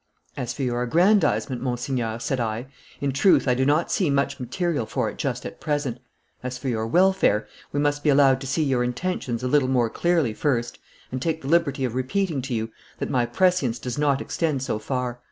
'As for your aggrandizement, Monseigneur,' said I, 'in truth I do not see much material for it just at present; as for your welfare, we must be allowed to see your intentions a little more clearly first, and take the liberty of repeating to you that my prescience does not extend so far.